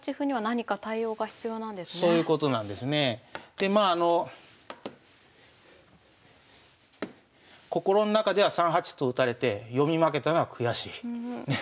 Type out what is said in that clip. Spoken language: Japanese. でまああの心の中では３八歩と打たれて読み負けたのは悔しい。ね。